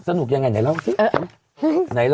สนุกยังไงไหนลองซิ